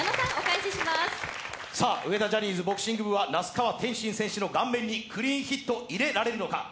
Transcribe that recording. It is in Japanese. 上田ジャニーズボクシング部は那須川天心選手の顔面にクリーンヒット入れられるのか。